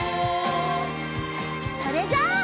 それじゃあ。